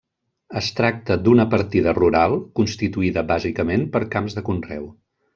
Es tracta d'una partida rural constituïda bàsicament per camps de conreu.